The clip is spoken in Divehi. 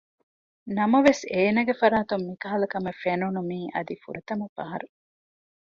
ނަމަވެސް އޭނަގެ ފަރާތުން މިކަހަލަ ކަމެއް ފެނުނު މީ އަދި ފުރަތަމަ ފަހަރު